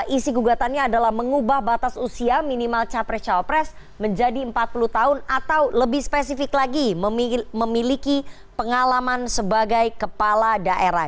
isi gugatannya adalah mengubah batas usia minimal capres cawapres menjadi empat puluh tahun atau lebih spesifik lagi memiliki pengalaman sebagai kepala daerah